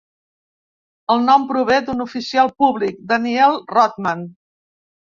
El nom prové d'un oficial públic, Daniel Rodman.